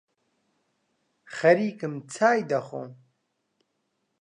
خەریکم چای دەخۆم